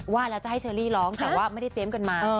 ว่าแล้วจะให้เชอรี่ร้องแต่ว่าไม่ได้เตรียมกันมา